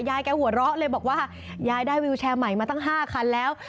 แกหัวเราะเลยบอกว่ายายได้วิวแชร์ใหม่มาตั้ง๕คันแล้ว